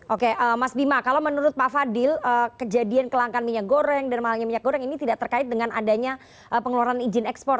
oke mas bima kalau menurut pak fadil kejadian kelangkan minyak goreng dan mahalnya minyak goreng ini tidak terkait dengan adanya pengeluaran izin ekspor